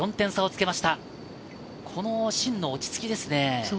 このシンの落ち着きですね。